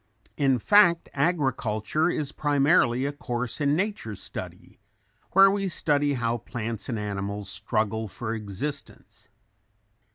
In fact agriculture is primarily a course in nature study where we study how plants and animals struggle for existence.